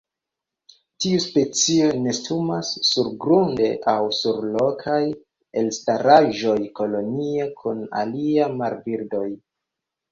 Tiu specio nestumas surgrunde aŭ sur rokaj elstaraĵoj kolonie kun aliaj marbirdoj.